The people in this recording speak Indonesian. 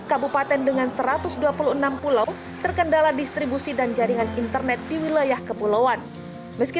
kabupaten dengan satu ratus dua puluh enam pulau terkendala distribusi dan jaringan internet di wilayah kepulauan meski